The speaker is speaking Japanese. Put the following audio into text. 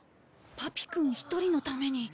パピくん一人のために。